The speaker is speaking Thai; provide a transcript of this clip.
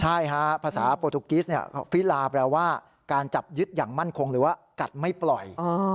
ใช่ฮะภาษาโปรตุกิสฟิลาแปลว่าการจับยึดอย่างมั่นคงหรือว่ากัดไม่ปล่อย